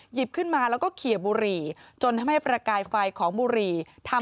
หยิบขึ้นมาแล้วก็เขียบุหรี่จนทำให้ประกายไฟของบุรีทำ